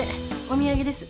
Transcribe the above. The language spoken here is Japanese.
お土産です。